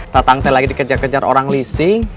saya lagi dikejar kejar orang leasing